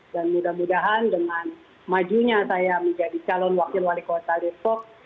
dan mudah mudahan dengan majunya saya menjadi calon wakil wali kota depok